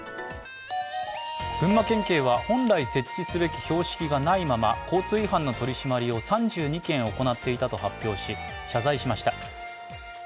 群馬県警は本来設置すべき標識がないまま交通違反の取り締まりを３２件行っていたと発表し、謝罪しました。